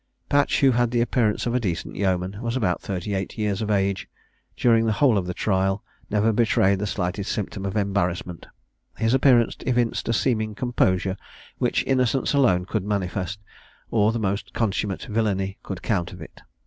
Patch, who had the appearance of a decent yeoman, and was about thirty eight years of age, during the whole of the trial never betrayed the slightest symptom of embarrassment: his appearance evinced a seeming composure, which innocence alone could manifest, or the most consummate villany could counterfeit.